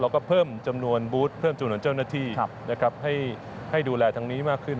แล้วก็เพิ่มจำนวนบูธเพิ่มจำนวนเจ้าหน้าที่ให้ดูแลทางนี้มากขึ้น